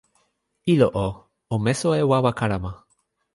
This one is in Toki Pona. ilo o, o meso e wawa kalama.